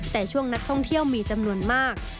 แต่ช่วงนักท่องเที่ยวมีจำนวนมาก